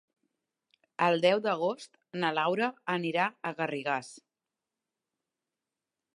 El deu d'agost na Laura anirà a Garrigàs.